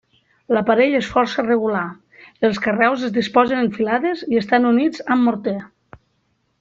L'aparell és força regular, els carreus es disposen en filades i estan units amb morter.